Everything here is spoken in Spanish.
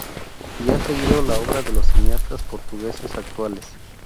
Y ha seguido la obra de los cineastas portugueses actuales.